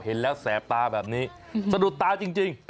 เห็นแล้วแสบตาแบบนี้สะดุดตาจริง